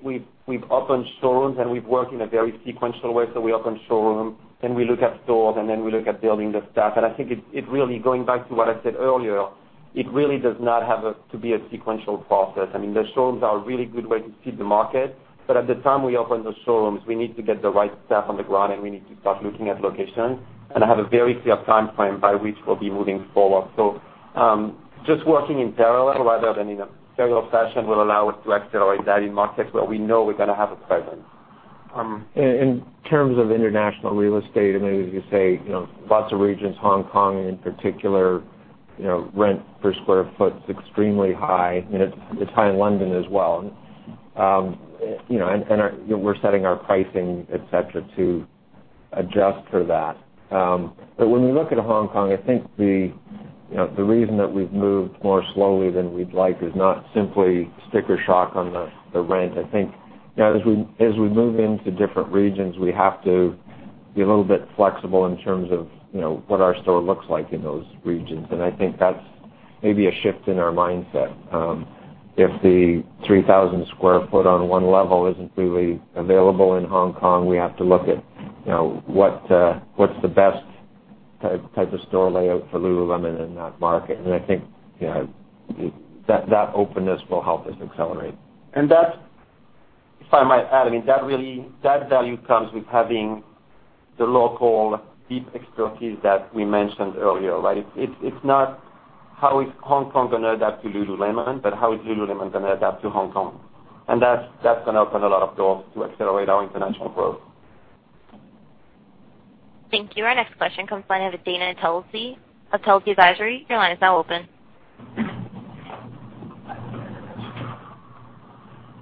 we've opened showrooms, and we've worked in a very sequential way. We open a showroom, then we look at stores, and then we look at building the staff. I think, going back to what I said earlier, it really does not have to be a sequential process. The showrooms are a really good way to see the market, but at the time we open the showrooms, we need to get the right staff on the ground, and we need to start looking at locations. I have a very clear timeframe by which we'll be moving forward. Just working in parallel rather than in a serial fashion will allow us to accelerate that in markets where we know we're going to have a presence. In terms of international real estate, as you say, lots of regions, Hong Kong in particular, rent per square foot is extremely high. It's high in London as well. We're setting our pricing, et cetera, to adjust for that. When we look at Hong Kong, I think the reason that we've moved more slowly than we'd like is not simply sticker shock on the rent. I think as we move into different regions, we have to be a little bit flexible in terms of what our store looks like in those regions. I think that's maybe a shift in our mindset. If the 3,000 sq ft on one level isn't really available in Hong Kong, we have to look at what's the best type of store layout for Lululemon in that market. I think that openness will help us accelerate. That, if I might add, that value comes with having the local deep expertise that we mentioned earlier, right? It's not how is Hong Kong going to adapt to Lululemon, but how is Lululemon going to adapt to Hong Kong? That's going to open a lot of doors to accelerate our international growth. Thank you. Our next question comes from the line of Dana Telsey of Telsey Advisory. Your line is now open.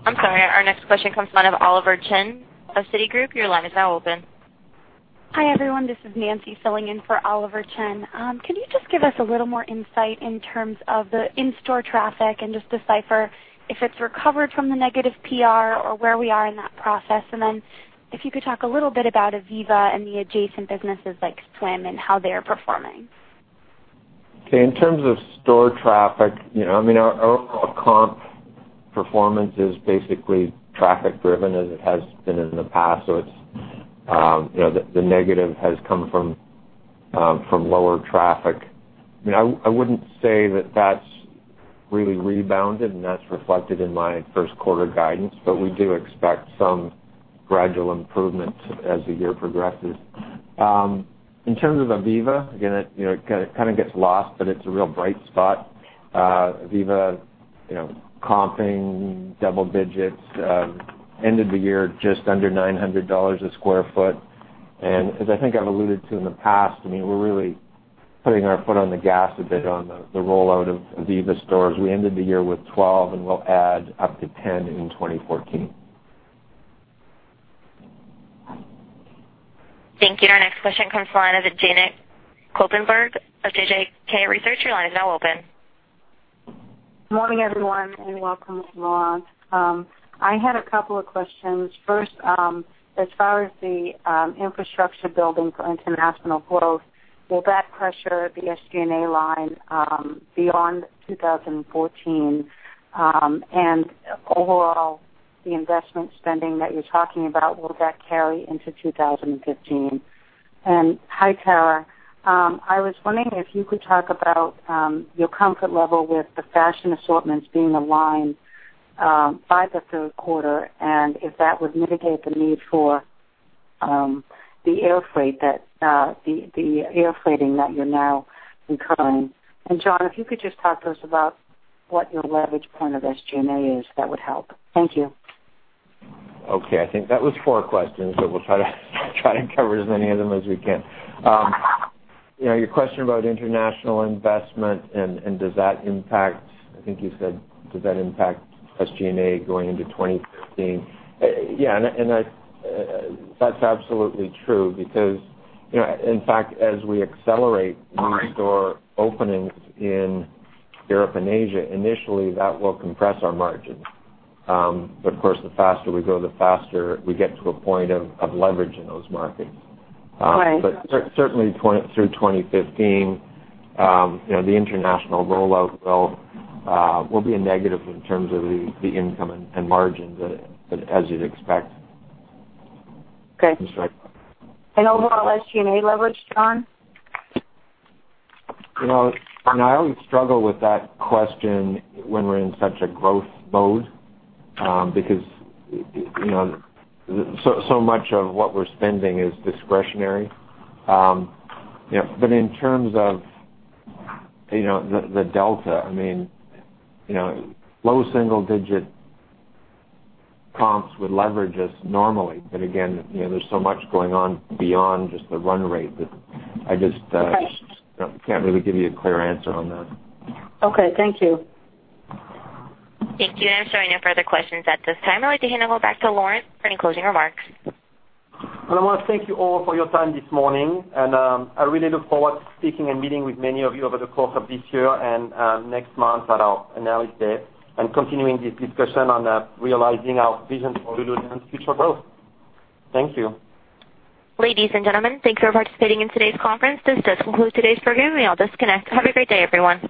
I'm sorry. Our next question comes from the line of Oliver Chen of Citigroup. Your line is now open. Hi, everyone. This is Nancy filling in for Oliver Chen. Can you just give us a little more insight in terms of the in-store traffic and just decipher if it's recovered from the negative PR or where we are in that process? If you could talk a little bit about Ivivva and the adjacent businesses like swim and how they are performing. Okay. In terms of store traffic, our overall comp performance is basically traffic-driven, as it has been in the past. The negative has come from lower traffic. I wouldn't say that that's really rebounded, and that's reflected in my first quarter guidance, but we do expect some gradual improvement as the year progresses. In terms of Ivivva, again, it kind of gets lost, but it's a real bright spot. Ivivva comping double digits, end of the year, just under $900 a square foot. As I think I've alluded to in the past, we're really putting our foot on the gas a bit on the rollout of Ivivva stores. We ended the year with 12, and we'll add up to 10 in 2014. Thank you. Our next question comes from the line of Janet Kloppenburg of JJK Research. Your line is now open. Morning, everyone. Welcome, Laurent. I had a couple of questions. First, as far as the infrastructure building for international growth, will that pressure the SG&A line beyond 2014? Overall, the investment spending that you're talking about, will that carry into 2015? Hi, Tara. I was wondering if you could talk about your comfort level with the fashion assortments being aligned by the third quarter and if that would mitigate the need for the air freighting that you're now incurring. John, if you could just talk to us about what your leverage point of SG&A is, that would help. Thank you. Okay. I think that was four questions. We'll try and cover as many of them as we can. Your question about international investment and does that impact, I think you said, does that impact SG&A going into 2015? Yeah. That's absolutely true because, in fact, as we accelerate new store openings in Europe and Asia, initially, that will compress our margins. Of course, the faster we go, the faster we get to a point of leverage in those markets. Right. Certainly through 2015, the international rollout will be a negative in terms of the income and margins as you'd expect. Okay. That's right. Overall SG&A leverage, John? I always struggle with that question when we're in such a growth mode. So much of what we're spending is discretionary. In terms of the delta, low single-digit comps would leverage us normally. Again, there's so much going on beyond just the run rate that I just Right I can't really give you a clear answer on that. Okay. Thank you. Thank you. I'm showing no further questions at this time. I'd like to hand it over back to Laurent for any closing remarks. I want to thank you all for your time this morning, and I really look forward to speaking and meeting with many of you over the course of this year and next month at our analyst day and continuing this discussion on realizing our vision for Lululemon's future growth. Thank you. Ladies and gentlemen, thanks for participating in today's conference. This does conclude today's program. You may all disconnect. Have a great day, everyone.